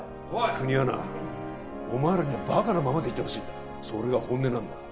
国はなお前らにはバカなままでいてほしいんだそれが本音なんだ